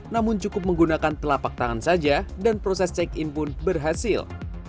namun cukup menggunakan telapak tangan saja dan proses check in pun berhasil